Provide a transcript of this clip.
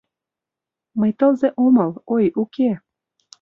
«Мый тылзе омыл, ой, уке.